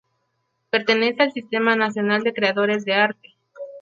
Pertenece al Sistema Nacional de Creadores de Arte.